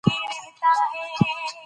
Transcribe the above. هغوی د زده کړو لپاره خولې تویوي.